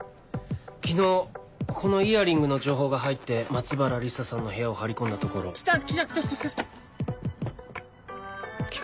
昨日このイヤリングの情報が入って松原理沙さんの部屋を張り込んだところ。来た来た来た来た！